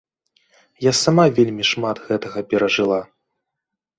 Я сама вельмі шмат гэтага перажыла.